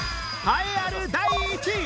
栄えある第１位！